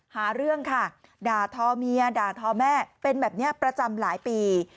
หาเรื่องค่ะด่าทอเมียด่าทอแม่เป็นแบบนี้ประจำหลายปี